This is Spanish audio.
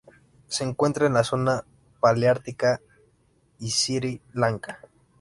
Se encuentra en la zona paleártica y Sri Lanka.